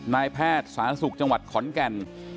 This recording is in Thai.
นายแพทย์สาธารณสุขจังหวัดขอนแก่น